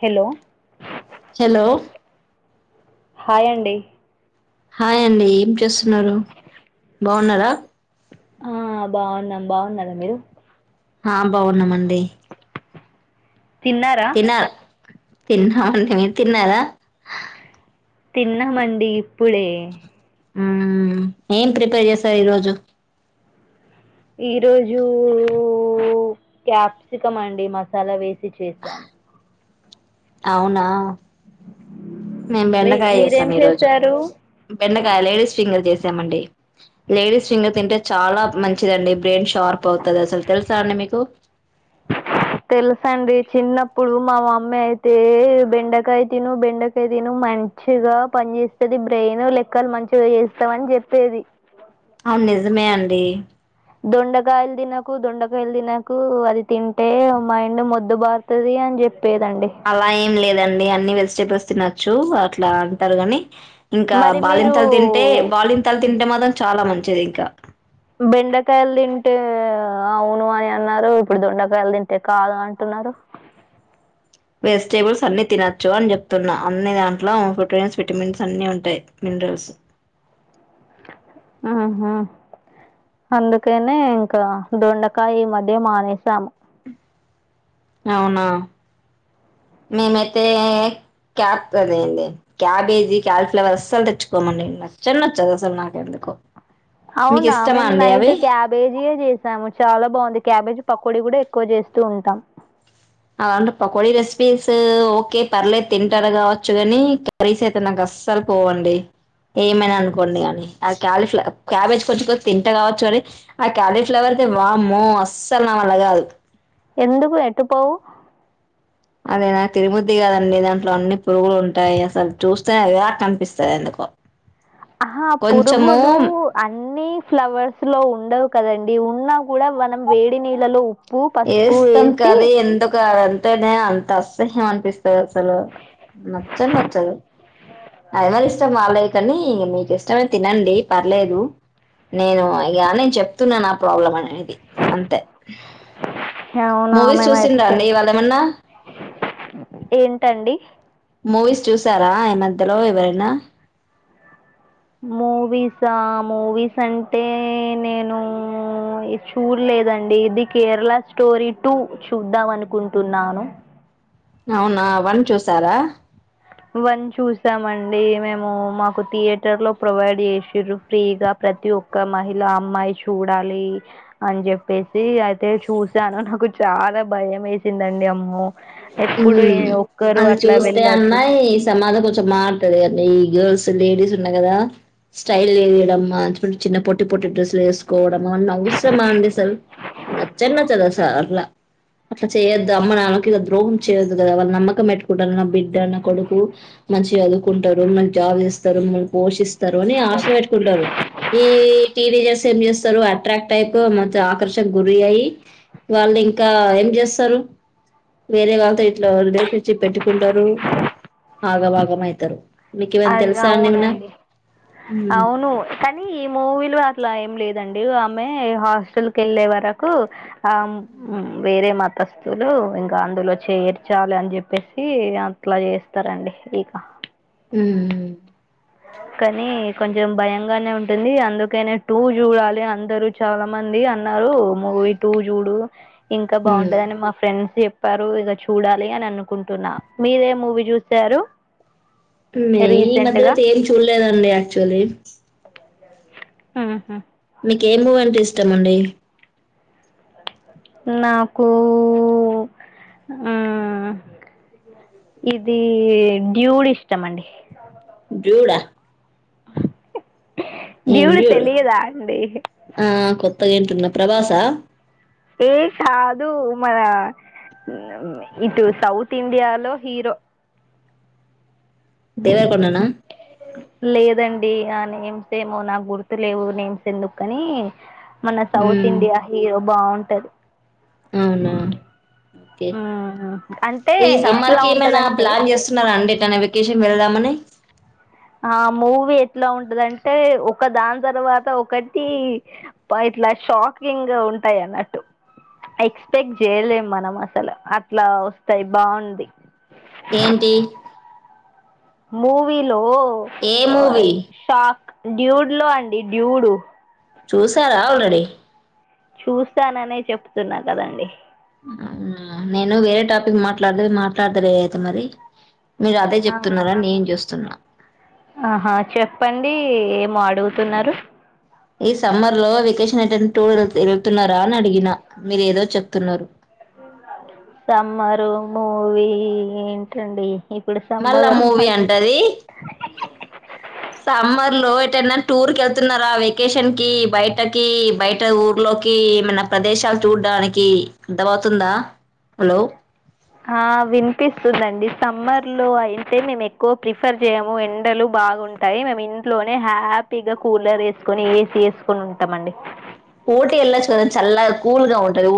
Hello hello hi అండి hi అండి ఏం చేస్తున్నారు బాగున్నారా ఆ బాగున్నాం బాగున్నారా మీరు ఆ బాగున్నామండి తిన్నారా తిన్నార తిన్నామండి మీరు తిన్నారా తిన్నామండి ఇప్పుడే హ్మ్ ఏం ప్రిపేర్ చేసారు ఈరోజు ఈ రోజు క్యాప్సికం అండి మసాలా వే ఇది చేశాను అవునా మేం మీ బెండకాయ మీరేం చేసాం ఈ రోజు చేశారు బెండకాయ లేడీస్ ఫింగర్ చేశా తమండి లేడీస్ ఫింగర్ తింటే చాలా మంచిదండి బ్రెయిన్ షార్ప్ అవుతుంది అసలు తెలుసా అండి మీకు తెలుసండి చిన్నపుడు మా మమ్మీ అయితే బెండకాయ తిను బెండకాయ తిను మంచిగా పని చేేస్తది బ్రెయిన్ లెక్కలు మంచిగా చేస్తాము అని చెప్పేది అవును నిజమే అండి దొండకాయలు తినకు దొండకాయలు తినకు అది తింటే మైండ్ మొద్దు బారుతది అని చెప్ అలా ఏం లేదండి అన్ని వెజిటబుల్స్ తినొచ్చు అట్లా అంటారు గని ఇంకా మరి మీరు బాలింతలు తింటే బాలింతలు తింటే మాత్రం చాలా మం హెచ్చరిక బెండకాయలు తింటే అవును అని అన్నారు ఇప్పుడు దొండకాయలు తింటే కాదు అంటున్నారు వెజిటేబుల్స్ అన్ని తినొచ్చు అని చెప్తున్నాను అన్ని దాంట్లో ప్రోటీన్స్ విటమిన్స్ అన్ని ఉంటాయి మినరల్స్ హ్మ్ హు అందుకనే ఇంకా దొండకాయ మధ్య మానేసాము అవునా మేమైతే క్యాప్ అద ఏంది క్యాబేజీ క్యాలిఫ్లవర్ అసలు తెచ్చుకోమండి నచ్చ నే నచ్చదు అసలు నాకు ఎందుకో అవునా మేము నైట్ క్యాబేజీయే చేసాము చాలా బాగుంది క్యాబేజ్ పకోడి కూడా ఎక్కువ చేస్తూ ఉంటాం అలాంటే పకోడి రెసిపీస్ ఓకే పర్లే తింటారు కావచ్చు కాని కర్రీస్ అయితే నాకు అస్సలు పోవండి ఏమైనా అనుకోండి కాని ఆ క్యాలీఫ్ల క్యాబేజ్ కొంచెం కొ తింట కావచ్చు కాని ఆ క్యాలీఫ్లవర్ అయితే వామ్మో అస్సలు నా వల్లా కాదు ఎందుకు ఎటు పోవు అదేనా తినబుద్ధి కాదండి దాంట్లో అన్ని పురుగులు ఉంటాయి అసలు చూస్తేనే వ్యాక్ అనిపిస్తాది ఎందుకో ఆహా కొంచెము పురుగులు అన్ని ఫ్లవర్స్ లో ఉండవు కదండి ఇది ఉన్నా కూడా మనం వేడి నీళ్ళలో ఉ వేస్తాం కర్రి ఎందుకా అంటేనే అసహ్యం అనిపిస్తది అసలు నచ్చను నచ్చదు అది మరి ఇష్టం బాలేదు కానీ ఇక మీకు ఇష్టమే తినండి పర్లేదు నేను ఇక నేను చెప్తున్నాను నా ప్రాబ్లం అనేది అంతే అవునా మూవీస్ మేమైతే చూసిండ్రా అండి తింటాం ఇవాళ ఏమన్నా ఏంటండి మూవీస్ చూసారా ఈ మధ్యలో ఏమైనా మూవీసా మూవీస్ అంటే నేను చూడలేదండి ఇది కేరళ స్టోరీ టూ చూద్దాం అనుకుంటున్నాను అవునా వన్ చూసారా వన్ చూసామండి మేము మాకు థియేటర్ లో ప్రొవైడ్ చేసిరు ఫ్రీగా ప్రతి ఒక్క మహిళ అమ్మాయి చూడాలి అని చెప్పేసి అయితే చూసాను నాకు చాలా భయం వేసిందండి అమ్మో ఎప్పుడు హ్మ్ ఏ ఒక్కరు అది అట్లా చూస్తే అన్నా వెళ్ళోదు ఈ సమాజం కొంచెం మారతాది అండి ఈ గర్ల్స్ లేడీస్ ఉన్నాయి కదా స్టైల్ చేయడం చిన్న పొట్టి పొట్టి డ్రెస్సులు వేసుకోవడం అన్న అవసరమా అండి అసలు నచ్చనే నచ్చదు అసలా అట్లా అట్లా చేయొద్దు అమ్మ నాన్నకి ఇ ద్రోహం చేయదు కదా వాళ్ళు నమ్మకం పెట్టుకుంటారు కదా నా బిడ్డ నా కొడుకు మంచిగా చదువుకుంటారు మంచి జాబ్ చేస్తారు మమల్నీ పోషిస్ తరు అని ఆశ పెట్టుకుంటారు ఈ టీనేజర్స్ ఏం చేస్తారు అట్రాక్ట్ అయి మంచి ఆకర్షకు గురయ్యి వాళ్ళు ఇంకా ఏం చేస్తారు వేరే వా తే ఇట్లా అల్రె పిచ్చి పెట్టుకుంటారు ఆగ బాగం అయితారు మీకు ఏమైనా అది తెలుసా అండి ఏమన్నా అవునండి ఉమ్ అవును కానీ ఈ మూవీలు అట్లా ఏం లేదండి ఆమె హాస్టల్ కివెళ్ళే వరకు ఆ వేరే మతస్థులు ఇంకా అందులో చేర్చాలి అని చెప్పేసి అట్లా చేస్తారండి ఇక ఉమ్ కానీ కొంచెం భయంగానే ఉంటుంది అందుకనే టూ చూడాలి అందరూ చాలా మంది అన్న మూ వీ టూ చూడు ఇంకా ఉమ్. బాగుంటది అ ని మా ఫ్రెండ్స్ చె పరువు ఇక చూడాలి అని అనుకుంటున్నా మీరే మూవీ చూసారు మే ఈ రీసెంట్ మధ్య తే ఏదీ చూడ్ లేదండి అక్చుఅల్లీ హ్మ్ హ్మ్ నీకు ఏ మూవీ అంటే ఇష్టం అండి నాకు ఆ ఇది డ్యూడ్ ఇష్టం అండి డ్యూడా డ్యూడ్ తెలియదా అండి త్త గింటున్న ప్రభాసా ఏ కాదు మన ఇటు సౌత్ ఇండియాలో హీరో దేవరకొండనా లేదండి ఆ నేమ్స్ ఏమో నాకు గుర్తు లేవు నేమ్స్ ఎందుకు కని మన సౌత్ ఉమ్ ఇండియా హీరో బాగుంటది అవునా ఓకే అంటే ఈ సమ్మర్ ఎట్లా కి ఏమైనా ఉంటుందంటే ప్లాన్ చేస్తున్నార అండి ఎటన్న వెకేషన్ వెళ్దామ నీ ఆ మూవీ ఎట్లా ఉంటదంటే ఒక దాని తర్వాత ఒకటి ఇట్లా షాకింగ్ గా ఉంటాయి అన్నట్టు ఎక్స్పెక్ట్ చేయలేము మనం అసలు అట్లా వస్తాయి బాగుంది ఏంటి మూవీ లో ఏ మూవీ షా డ్యూడ్ లో అండి డ్యూడు చూసారా ఆల్రెడీ చూస్తాననే చెప్తున్నాకదండీ నేను వేరే టాపిక్ మాట్లాడదు మాట్లాడదలే అయితే మరి మీరు అదే ఆ చెప్తున్నారా నేం చూస్తున్నా ఆహా చెప్పండి ఏమో అడుగుతున్నారు ఈ సమ్మర్ లో వెకేషన్ అటె టూర్ వెళ్తున్నారా అని అడిగినా మీరేదో చెప్తున్నారు సమ్మరు మూవీ ఏంటండి ఇప్పుడు మళ్ళా మూవీ సమ్మర్లు అంటది సమ్మర్ లో ఎ టూర్కి వెళ్తున్నారా వెకేషన్ కి బయటకి బయట ఊర్లోకి ఏమన్న ప్రదేశాలు చూడడానికి అర్థమవుతుందా ఆ వినిపిస్తుందండి సమ్మర్ లో అయితే మేము ఎక్కువ ప్రిఫర్ చేయము ఎండలు బాగుంటాయి మేము ఇంట్లోనే హ్యాపీగా కూలర్ వేసుకొని ఏసీ వేసుకొని ఉంటామ అండి ఊటీ ఎల్లచూగదా చల్ కూల్ గా ఉంటుంది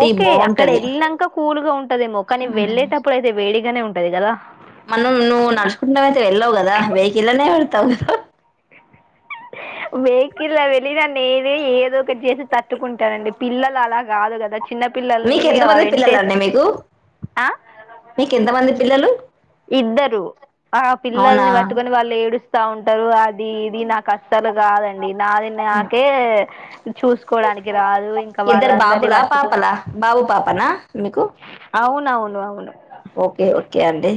ఓకే అక్కడ వెళ్ళాక కూల్గా ఉంటదేమో కానీ వెళ్ళలేటప్పుడు అయితే వేడిగానే ఉంటుంది పెది కదా మనం నువ్వు నడుచుకుంటన్నాం అయితే వెళ్ళావు కదా వెేయికిల్లనే తంగ వెహికల్ వెళ్ళి దాన్ని ఏద ఏదో ఒకటి చేసి తట్టుకుంటానండి పిల్లలు అలా కాదు కదా చిన్న పిల్లల్ని మీకు ఎంతమంది పిల్లలు వెంటేసి అండి మీకు ఆ? మీకు ఎంతమంది పిల్లలు ఇద్దరు ఆ అవునా పిల్లల్ని పట్టుకొని వాళ్ళు ఏడుస్త వస్తా ఉంటారు అది ఇది ఇది నాకు అసలు కాదండి నాది నాకే చూసుకోవడానికి రాదు ఇంకా ఇద్దరు వాళ్ళందరినీ బాబులా పట్టుకొని పాపలా బాబు పాపనా మీకు అవునవును ఓకే ఓకే అండి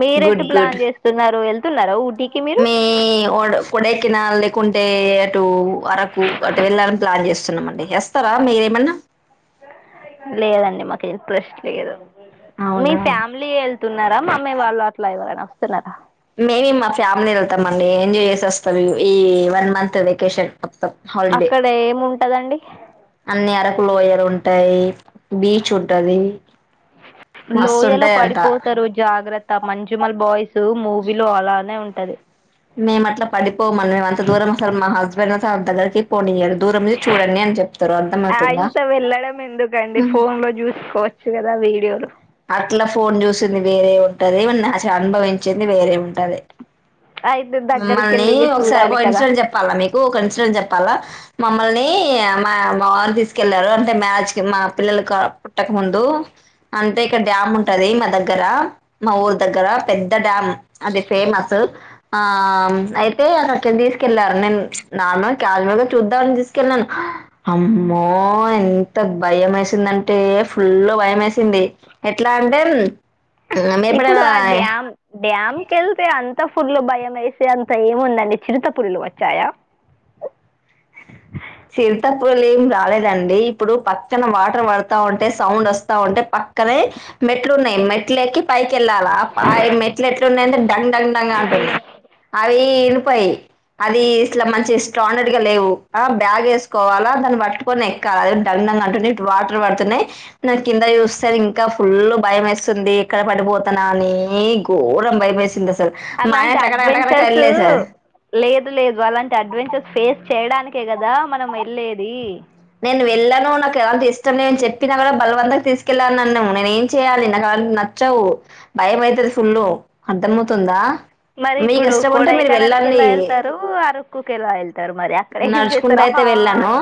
మీరెట్టు గుడ్ గుడ్ ప్లాన్ చేస్తున్నారు వెళ్ నవు క మీరు కినా లే కుంటే అటు అరకు అటు వెళ్ళాలని ప్లాన్ చేస్తున్నామా ట ఎస్తరా మేర మన్న లేదండి మాకు ఇంట్రెస్ట్ లేదు మీ అవునా ఫ్యామిలీ వెళ్తున్నారా మా మేము వాళ్ళు అట్లా ఎవరైని వస్తున్నారా మేమి మా ఫ్యామిలీ వెళ్తాం ఏం చేసోస్తారో ఈ వన్ మంత్ వెకేషన్ మొత్తం హాలిడే అక్కడ ఏము ఉంటదండి అన్ని అరకు లోయలు ఉంటాయి బీచ్ ఉంటది మస్తు లోయలో ఉంటాయంట పడిపోతారు జాగ్రత్త మంజుమల్ బాయ్స్ మూవీలో అలానే ఉంటది మేమట్లా పడి పోమం మేము అంత దూరం అసలు మా హస్బెండ్ దగ్గకి పోనియ్యాలి దూరం ను చూడండి అని చెప్తారు అర్థం ఆ అవుతుందా ఇంత వెళ్ళడం దా వీడియోలు అట్లా ఫోన్ చూసింది వేరే ఉంటది నా అనుభవించింది వేరే ఉంటది అయితే దగ్గరికి మమ్మల్ని వెళ్ళి ఇగ ఒకసారి చూడాలి ఒక కదా ఇన్సిడెంట్ చెప్పాలా మీకు ఒక ఇన్సిడెంట్ చెప్పాలా మమ్మల్ని మా వారు తీసుకెళ్లారు అంటే మ్యాచ్ మా పిల్లల పుట్టకముందు అంటే అ ఇక డ్యామ్ ఉంటది మా దగ్గర మా ఊరు దగ్గర పెద్ద డ్యామ్ అది ఫేమస్ ఆ అయితే అ అక్కడికి తీసుకెళ్ళారు నేను నార్మల్ క్యాస్యువల్ చూద్దామని తీసుకెళ్ళను అమ్మో ఎంత భయం వేసిందంటే ఫుల్ భయం వేసింది ఎట్లా అంటే ఇప్పుడు మెప్పడదా ఆ చిత్త పుర్లు భయం వేసి అంత ఏముందండి చిరుతపుుర్లు వచ్చాయా చిరతపులు ఏం రాలేదండి ఇప్పుడు పక్కన వాటర్ పడతా ఉంటే సౌండ్ వస్తా ఉంటే పక్కనే మెట్లు ఉన్నాయి మెట్లకి పై కెళ్ళాల ఆ మెట్లు ఎట్లు ఉన్నాయింటే డంగ్ డంగ్ డంగ్ అంటున్నాయి అవి ఇనపయి అది ఇట్లా మంచి స్టాండర్డ్ గా లేవు బ్యాగ్ వేసుకోవాలా దాన్ని పట్టుకొని ఎక్కాలి డాంగ్ డాంగ్ అంటున్నా ఇటు వాటర్ పడుతున్నాయి నా కింద చూస్తే ఇంకా ఫుల్ భయం వేస్తుంది ఎక్కడ పడిపోతనా అని ఘోరం భయం వేసింది అస అలాంటి అడ్వెంచర్స్ లేదు లేదు అలాంటి అడ్వెంచర్స్ ఫేస్ చేయడానికే కదా మనం వెళ్ళేది నేను వెళ్ళాను నాకు ఎలాంటి ఇష్టం లే చెప్పిన కూడా బలవంతంగా తీసుకెళ్లారు అన్న నేను ఏం చెయాలి నాకు అలా నచ్చవు భయం అయిత్తది ఫుల్ అర్ధమవుతుందా మరి ఇప్పుడు కొడఐకానాల్ ఎలా వెళ్తారు అరక్కుకు ఎలా వెళ్తారు మరి అక్కడ ఏం చేస్తారు ఆహా అని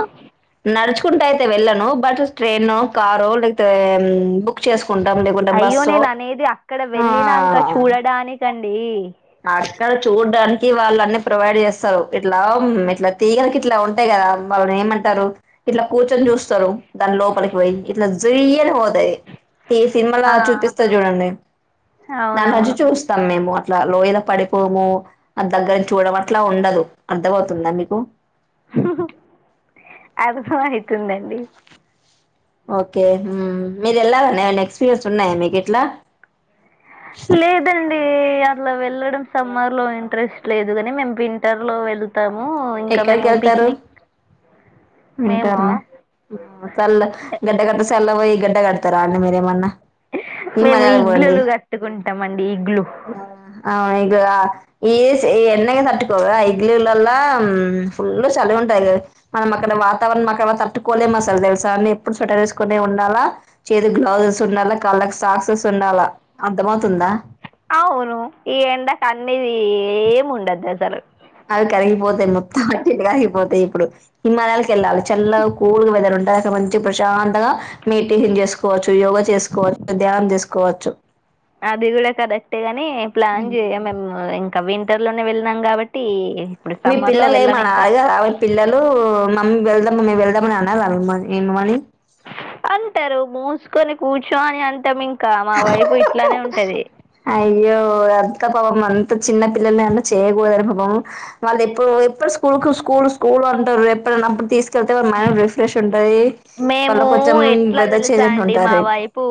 నడుచుకుంటా అయితే వెళ్ళను బట్ ట్రైన్ ఓ కారో ఓ లేకపోతే బుక్ చేసుకు అయ్యో నేను అనేది అక్కడ వెళ్ళినంక చూడ డానికి అండీ ఇక్కడ చూడడానికి వాళ్ళు అన్ని ప్రొవైడ్ చేస్తారు ఇట్లా ఇట్లా తీగలకి ఇట్లా ఉంటాయి కదా వాళ్ళు ఏమంటారు ఇట్లా కూర్చొని చూస్తారు దాని లోపలికి పోయి ఇట్లా జ్యూయీ అని పోతాయి ఈ సినిమాలా ఆ చూపిస్తాయి చూడండి దాంట్లో నుంచి అవునవును చూస్తాం మేము అట్లా లోయల పడిపోము అ దగ్గర చూడడం అట్లా ఉండదు అర్ధమవుతుందా మీకు హహ అర్థం అయితుంది అండీ ఓకే మీరు వెళ్ళారా అన్నాయ్య ఏమన్న ఎక్స్పీరియన్స్ ఉన్నాయా మీకీట్ల లేదండి అట్లా వెళ్ళడం సమ్మర్ లో ఇంట్రెస్ట్ లేదు కాని మేము వింటర్ లో వెళ్తా తాము ఇంకా మేము పిక్నిక్ మేమా వింటర్లా ఆ చల్ల గడ్డ గడ్డ చల్ల పోయి గడ్డ కడతారా అండీ మీరు ఎమన్నా మేము ఇడ్లీలు కట్టుకుంటాం అండీ ఇడ్లీ రా ఎస్ ఎన్ని ఐనా కట్టుకోడా ఇడ్లీలల్ల హ్ పుల్ చలి ఉంటది కదా మనం అక్కడ వాతావరణం మనం అక్కడ తట్టుకోలేము అసలు తెలుసా నేను ఎప్పుడు స్వెటర్ వేసుకునే ఉండాలా చేతి గ్లౌజెస్ ఉండాలా కాళ్ళకి సాక్సెస్ ఉండాలా అర్ధమవుతుందా అవును ఈ ఎండకు అన్నీ ఏమి ఉండదు అసలు అవి కరిగిపోతాయి మొత్తం అటు ఇటు అయిపోతాయి ఇప్పుడు హిమాలయాలకు వెళ్ళాలి చల్లగా కూల్గా వెదర్ ఉంటది అడ మంచి ప్రశాంతంగా మెడిటేషన్ చేసుకోవచ్చు యోగ చేసుకోవ ధ్యానం చేసుకో కోవచ్చు అది కూడా కరెక్ట్ గాని ప్లాన్ చేయం మేము ఇం ఇంకా వింటర్ లోనే వెళ్ళనాం కాబట్టి ఇప్పుడు మీ సమ్మర్ లో పిల్లలు వెళ్ళాం ఏమన్న ఇంకా అడగరా పిల్లలు మా మమ్మి వెళ్దాం మమ్మి వెళ్దాం అని అవి అమ్మ ఏమనీ కొని కూర్చోని అంటం ఇంకా మా వైపు ఇట్లనే ఉంటది అయ్యో అంత పాపం అంత చిన్న పిల్లల్ని అలా చేయకూడదని పాపం వాళ్ళు ఎప్పుడు ఎప్పుడు స్కూల్ కు స్కూల్ స్కూల్ అంటారు ఎప్పుడన్నప్పుడు తీసు తీసుకెలితే మైండ్ రిఫ్రెష్ ఉంటది వాళ్ళ మేము కొంచెం ఎట్ల వెదర్ చేంజ్ తెలుసా అంట అండి మా ఉంటది వైపు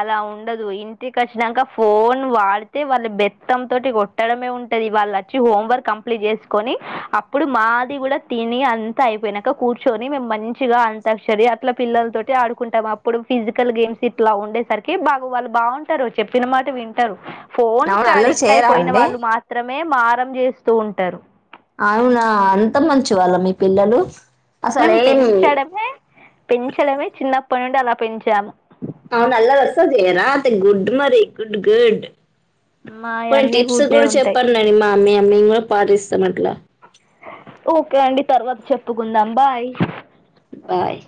అలా ఉండదు ఇంటికి అచ్చినంక ఫోన్ వాడితే వాళ్ళ బెత్తం తోటి కొట్టడమే ఉంటది వాళ్ళచ్చి హోంవర్క్ కంప్లీట్ జేస్కొని అప్పుడు మాది కూడా తిని అంత అయిపోయినంక కూర్చొని మేము మంచిగా ఆన్ తక్షరి అట్లా పిల్లలతోటి ఆడుకుంటాం అప్పుడు ఫిజికల్ గేమ్స్ ఇట్లా ఉండేసరికి బాగు వాళ్ళు బాగుంటారు చెప్పిన మాట వింటరు ఫోన్ అవును క్ అల్లరి అడిక్ట్ చేయరా అయిపోయిన అండి వాళ్ళు మాత్రమే మే మారం జేస్తూ ఉంటరు అవునా అంత మంచి వాళ్ళ మీ పిల్లలు అసలు మేం ఏం పెంచడమే పెంచడమే చిన్నప్పడి నుండి అలా పెంచాము అవున అల్లరి అస్సల్ చెయ్యరా ఐతే గుడ్ మరి గుడ్ గుడ్ కొన్ని మాయన్నీ టిప్స్ గుడ్డే కూడా ఉంటాయి చెప్పండండి మా [unintelligible] మేం గూడ పాటిస్తాం అట్లా ఓకే అండి తర్వాత్ చెప్పుకుందాం బాయ్ బాయ్